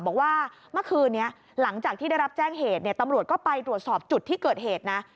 บอกว่าเมื่อคืนนี้หลังจากที่ได้รับแจ้งเหตุเนี่ยตำรวจก็ไปตรวจสอบจุดที่เกิดเหตุนะ